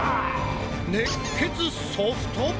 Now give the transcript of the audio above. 熱血ソフト部？